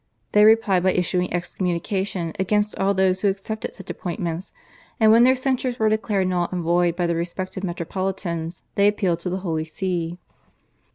They replied by issuing excommunication against all those who accepted such appointments, and, when their censures were declared null and void by their respective metropolitans, they appealed to the Holy See.